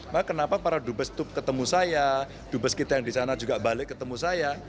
maka kenapa para dubes itu ketemu saya dubes kita yang di sana juga balik ketemu saya